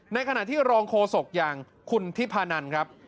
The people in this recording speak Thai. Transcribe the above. ในขณะที่รองโฆษกอย่างคุณทิพานันครับ